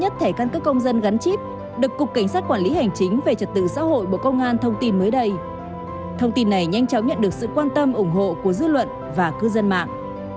thông tin này nhanh chóng nhận được sự quan tâm ủng hộ của dư luận và cư dân mạng